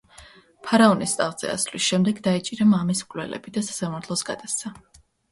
ფარაონის ტახტზე ასვლის შემდეგ დაიჭირა მამის მკვლელები და სასამართლოს გადასცა.